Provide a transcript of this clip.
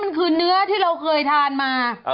มันคือเนื้อที่เราเคยทานมา